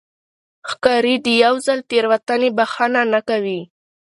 ښکاري د یو ځل تېروتنې بښنه نه کوي.